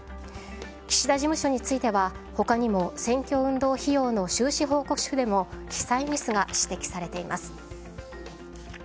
岸田事務所については他にも、選挙運動費用の収支報告書でも記載ミスが指摘されています。